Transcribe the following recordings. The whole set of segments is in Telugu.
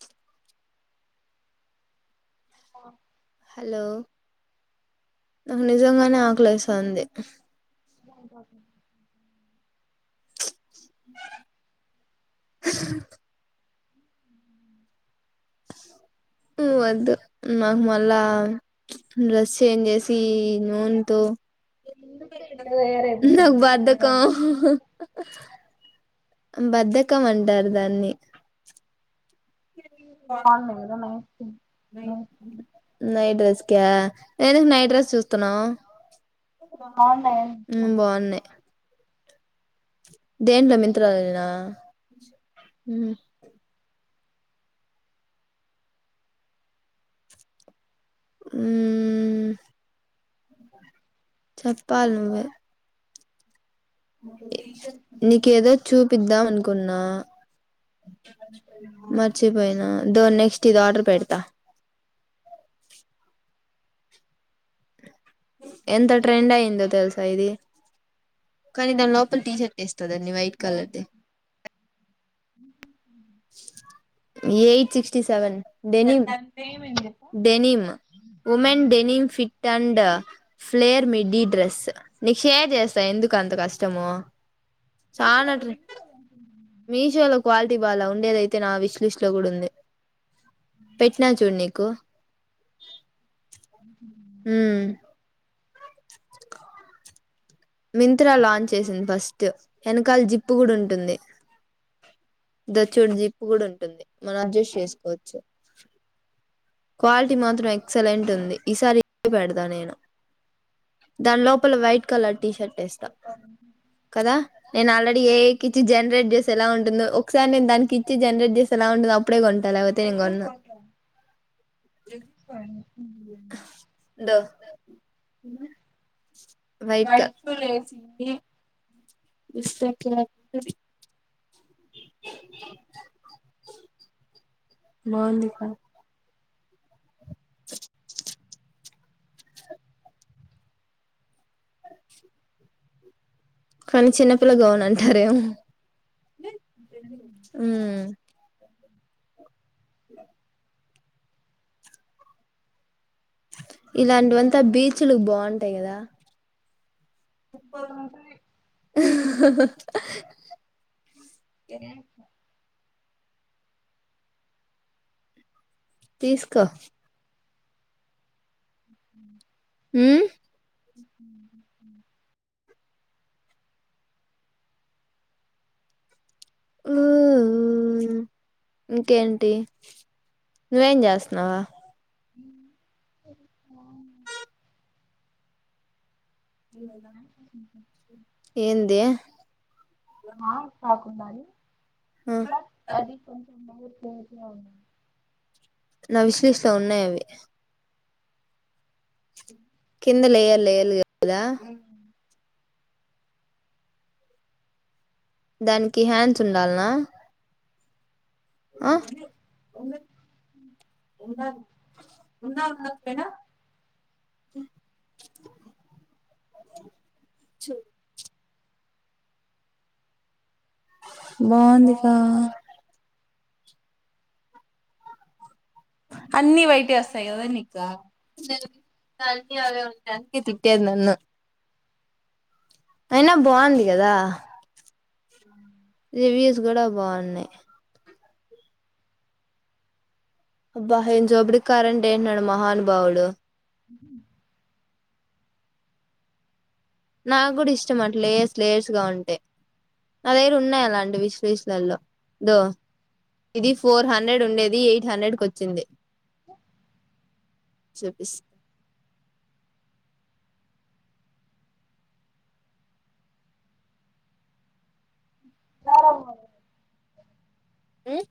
చ్ హలో నాకు నిజంగానే ఆకలేస్తాంది హ్ వద్దు నాకు మళ్ళా డ్రస్ చేంజేసి నూన్ తో ఎందుకు ఇట్లా తయారైపోతారు నాకు బద్దకం బద్దకం అంటారు దాన్ని ఆల్లా మీద మై త్తింగ్ మై క ఎందుకు నైట్ డ్రెస్ చూస్తున్నావ్ బాగున్నాయనే చెప్తాండ బాగున్నాయి దేంట్లో మిత్రలోలేనా మ్మ్ ఉమ్ అ చెప్పాల్ నువ్వే నీకేదో చూపిద్దాం అనుకున్నా మర్చిపోయినా దో నెక్స్ట్ ఇదార్డర్ పెడతా ఎంత ట్రెండయిందో తెలుసా ఇది కానీ దాని లోపల టీషర్ట్ వేస్ త్తదాన్ని white colour the eight sixty seven denim దాని నేమ్ ఏం చెప్పు denim women denim fit and flare midi dress నీకు షేర్ చేస్తా ఎందుకు అంత కష్టము చానట్లే మీషోలో క్వాలిటీ అలా ఉండేది అయితే నా విష్ లిస్ట్ లో కూడ ఉంది పేట్నా చూడునీకు కొ [inaudible] ఉమ్ మింత్రా లాంచ్ చేసింది ఫస్ట్, వెనకాల జిప్పు కూడా ఉంటుంది ద చోడు జిప్పు కూడా ఉంటుంది మనం అడ్జస్ట్ చేసుకోవచ్చు క్వాలిటీ మాత్రం ఎక్సలెంట్ ఉంది ఈసారి ఇ పెడదా నేను దాని లోపల వైట్ కలర్ టీషర్ట్ వేస్తా కదా నేను ఆల్రెడీ ఏ కి ఇచ్చి జనరేట్ చేసేఎలాఉంటుందొ ఒకసారి నేను దానికి ఇచ్చి జనరేట్ చేస్తే ఎలా ఉంటుందో అప్పుడే కొంట లేకపోతే తెంగొన్ను థ్యాంక్ యు దో లైక్ బస్తా క [inaudible] [inaudible] బాగుంది కా కానీ చిన్నపిల్ల గౌన్ అంటారేమో ఉమ్ ఇలాంటివంతా బీచ్లు బావుంటాయి కదా టంకలీ హహహ్ ఏమో తీస్కో ఉమ్ ఉవువ్ ఇంకేంటి నువ్వేం చేస్తున్నావా ఏంది ఆ పాకుండాాలి ఆ పట్అది పొ తెజ ఉ నా విష్ లిస్ట్ లోఉన్నాయి అవి కింద లె యలెఎల్ అద ఉంది దానికి హ్యాండ్స్ ఉండాలనా ఆ ఉన్నా ఉండకపోయినా చో బాగుందిక్క అన్ని బయట వస్తాయి కదా నీకు దన్ని అవే ఉంటానికిి తే నన్న అయినా బాగుంది కదా రివ్యూస్ కూడా బాగున్నాయి అబ్బా ఏం జోబడికి కారంటండి అంటన్నాడు మహానుభావుడు అ నాకు కూడా ఇష్టం అట్ లేయర్స్ లేయర్స్ గా ఉంటే నా దగ్గర ఉన్నాయి. అలాంటివి విశ్లిస్ట్ లో దో ఇది ఫోర్ హండ్రెడ్ ఉండేది ఎయిట్ హండ్రెడ్కి వచ్చింది చూపిస్తా ఆ మ్మ్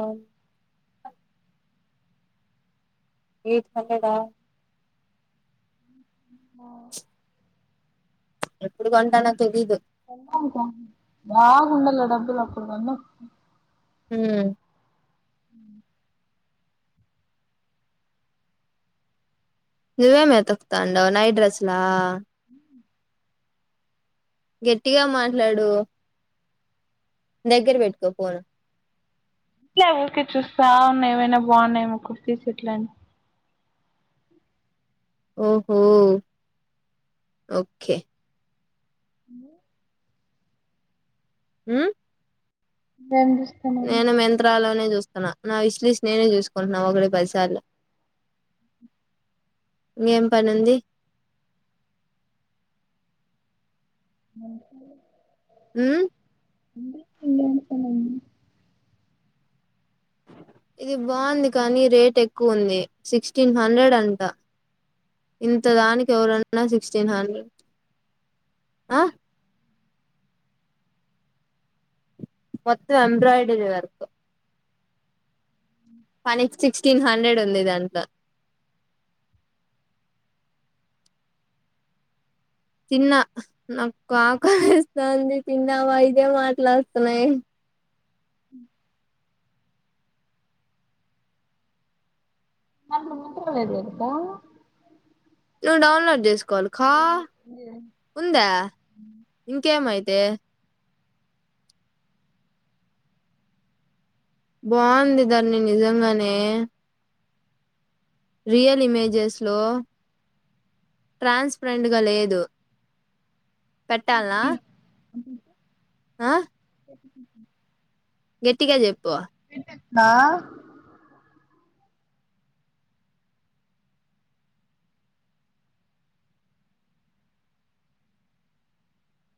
ఆ ఏ కలరా ఆ ఎప్పుడు కొంటాన తెలీదు అ బాగుండల్ డబ్బులు [unintelligible] హ్ అ నువ్వేమ్ ఏతకుతాండవ్ నైట్ డ్రెస్లా గట్టిగా మాట్లాడు నీ దగ్గర పెట్టుకో ఫోన్ లే ఇ ఊరికే చూస్తావున్నా ఏవైనా బాగున్నాయి ఏమో కుర్తిస్ అట్లయినా ఓహో ఓకే అని హ్ బెండ్ నేను మింత్రాలోనే చూస్తాను నా విష్ లిష్ నేనే చూసుకుంటున్నా ఒకటి పదిసార్లు ఇంకేం పని ఉంది మంచి హుమ్ [unintelligible] ఇది బాగుంది కానీ రేట్ ఎక్కువ ఉంది సిక్స్టీన్ హండ్రెడ్ అంట ఇంత దానికి ఎవరన్నా సిక్స్టీన్ హండ్రెడ్ ఆ మొత్తం ఎంబ్రోయిడరీ వర్క్ పని సిక్స్టీన్ హండ్రెడ్ ఉంది దాంట్లో తిన్న నాకు ఆకా లేస్త ది తిన్నవా ఇదే మాట్లాడుతున్నాయి మా మాంత వేది అంతా నువ్ డౌన్లోడ్ చేసుకో కోల్ఖా ఉందా ఇంకేమైతే తే బావుంది ధరణి నిజంగానే రియల్ ఇమేజెస్ లో ట్రాన్స్పరెంట్గా లేదు పెట్టాల్నా ఆ గెట్టిగా చెప్పు వినిపిత్తుందా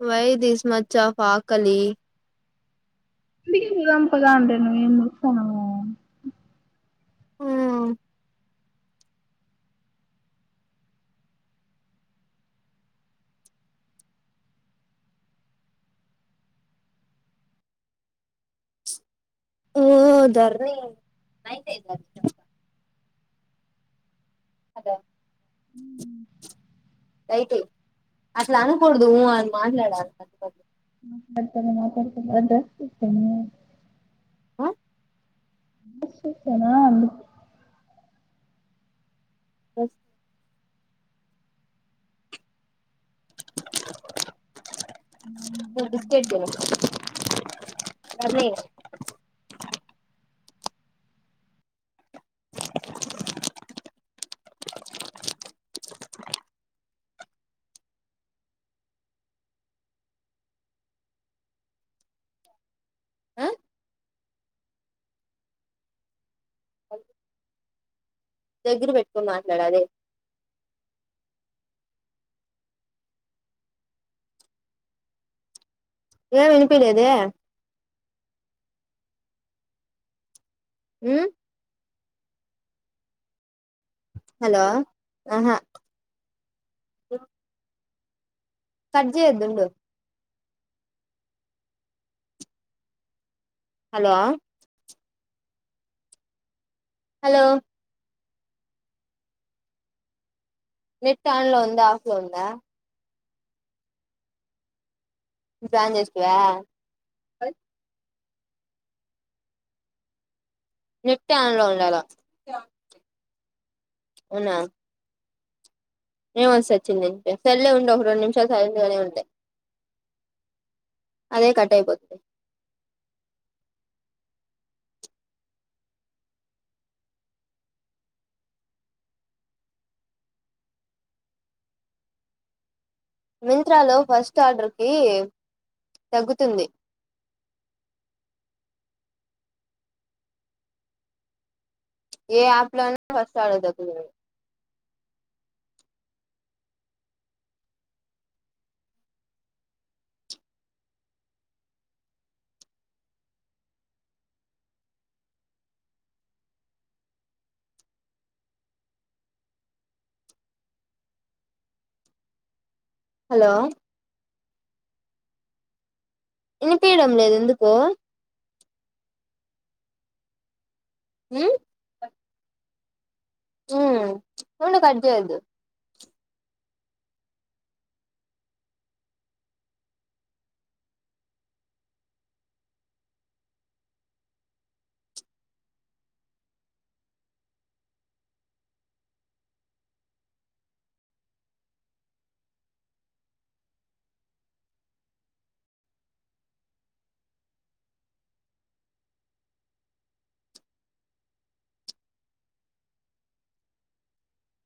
వై దిస్మచ్ ఆఫ్ ఆకలీ మీటింగ్ పొదంపద అంటే నువ్వు ఏం చేస్తున్నావు. ఆ ఓ ధరణి అదా ఉ లైటెయ్ అసలనకూడదు ఊ అని మాట్లాడాలి కదా వంతెన కనబడుతుందంట అ [unintelligible] నా వస్ [inaudible] బిస్కెట్ తిను ధరణి దగ్గిర పెట్టుకొని మాట్లాడాలి ఏమి వినిపీలేదే మ్ హలో ఆహా కట్చెజెయ్యద్దు ఉండు హలో హలో నెట్ ఆన్ లో ఉందా ఆఫ్ లో ఉందా ఇప్డు ఆన్ చేస్తివా నెట్ ఆన్లో ఉండాల ఏం వచ్ సచ్చింది ఎఫైర్లే ఉండవు రెండు నిమిషాలు సైలెంట్గానే ఉంటే అదే కట్ అయిపోద్ది. మింత్రాలో ఫస్ట్ ఆర్డర్ కి తగ్గుతుంది ఏ యాప్ లో అయినా ఫస్ట్ ఆర్డర్ తక్కువే హలో ఇనిపియడం లేదు ఎందుకు మ్ ఉమ్ ఉండు కట్ చెయ్యదు